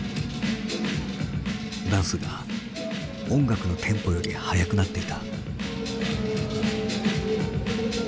ダンスが音楽のテンポより速くなっていた。